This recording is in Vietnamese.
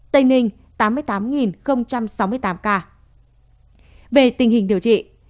tình hình điều trị